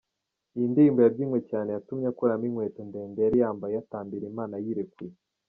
Iyi ndirimbo yabyinwe cyane yatumye akuramo inkweto ndende yari yambaye atambira Imana yirekuye.